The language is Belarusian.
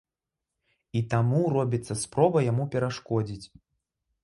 І таму робіцца спроба яму перашкодзіць.